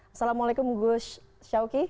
assalamualaikum gus syawki